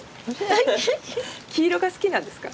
黄色が好きなんですか？